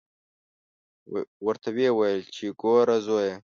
ورته ویې ویل چې ګوره زویه.